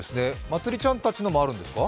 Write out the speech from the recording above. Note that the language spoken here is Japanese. まつりちゃんたちのもあるんですか？